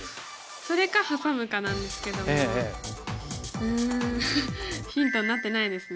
それかハサむかなんですけどもうんヒントになってないですね